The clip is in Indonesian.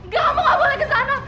kamu gak boleh kesana